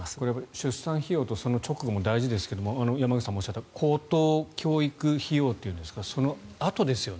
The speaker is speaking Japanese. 出産費用とその直後も大事ですが山口さんもおっしゃった高等教育費用というんですかそのあとですよね。